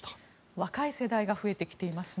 若い世代が増えてきていますね。